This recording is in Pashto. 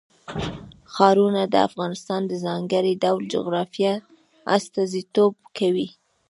ښارونه د افغانستان د ځانګړي ډول جغرافیه استازیتوب کوي.